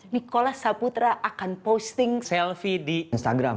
nikola saputra akan posting selfie di instagram